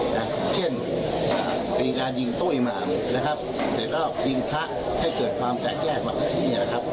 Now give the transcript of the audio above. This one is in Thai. จริงพระให้เกิดความแตกแยกมาจากที่นี่นะครับ